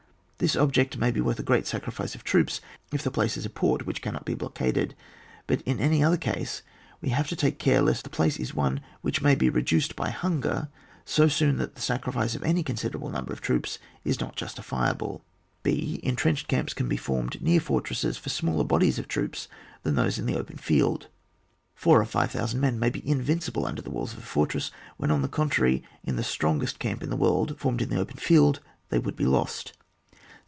This object may be worth a great sacrifice of troops if ihe place is a port which cannot be blockaded, but in any other case we have to take care lest the place is one which may be reduced by hunger so soon that the sacrifice of any considerable number of troops is not justifiable. h. Entrenched camps can be formed near fortresses for smaller bodies of troops than those in the open field. Four or five thousand men may be invin cible under the walls of a fortress, when, on the contrary, in the strongest camp in the world, formed in the open field, they would be lost.